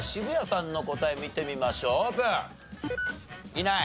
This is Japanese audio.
いない。